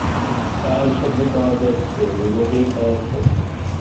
পায়ের শব্দ পাওয়া যাচ্ছে, রোবটের পায়ের শব্দ।